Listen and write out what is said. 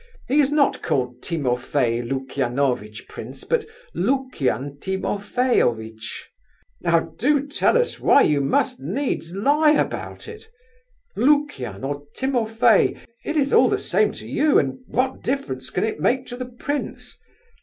He is not called Timofey Lukianovitch, prince, but Lukian Timofeyovitch. Now do tell us why you must needs lie about it? Lukian or Timofey, it is all the same to you, and what difference can it make to the prince?